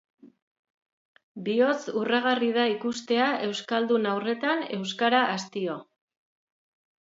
Bihotz-urragarri da ikustea euskaldun haurretan euskara hastio.